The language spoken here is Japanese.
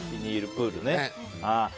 プールね。